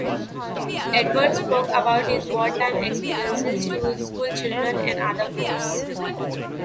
Edwards spoke about his wartime experiences to schoolchildren and other groups.